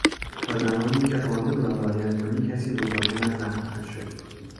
تا زمانی که قانون را رعایت کنی کسی مزاحمت نخواهد شد.